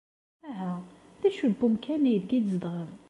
Aha, d acu n wemkan aydeg tzedɣem?